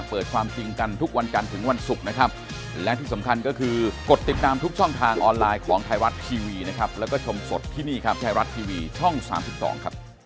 ผมเชื่อว่าไทยสร้างไทยก็ไม่ไปเลยแน่นอน